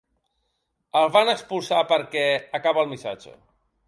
El van expulsar per quec —acaba el missatge.